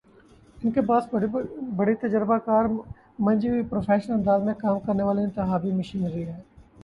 ان کے پاس بڑی تجربہ کار، منجھی ہوئی، پروفیشنل انداز میں کام کرنے والی انتخابی مشینری ہے۔